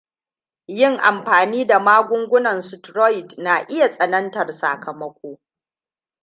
Yin amfani da magungunan steroids na iya tsanantar sakamako.